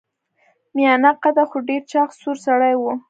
میانه قده خو ډیر چاغ سور سړی و.